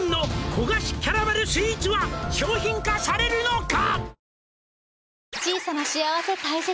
「焦がしキャラメルスイーツは商品化されるのか？」